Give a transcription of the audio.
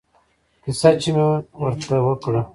کيسه چې مې ورته وکړه.